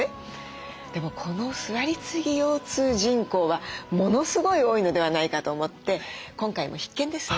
でもこの座りすぎ腰痛人口はものすごい多いのではないかと思って今回も必見ですね。